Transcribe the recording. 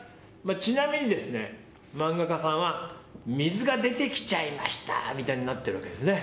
ちなみに漫画家さんは水が出てきちゃいましたみたいになっているわけですね。